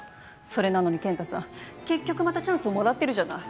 それなのに健太さん結局またチャンスをもらってるじゃない。